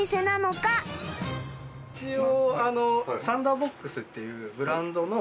一応。